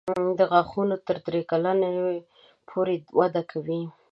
دا غاښونه تر درې کلنۍ پورې وده کوي.